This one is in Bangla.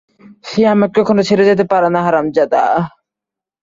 সে আমাকে কখনো ছেড়ে যেতে পারে না, হারামজাদা।